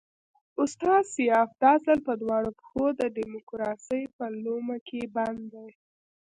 استاد سیاف دا ځل په دواړو پښو د ډیموکراسۍ په لومه کې بند دی.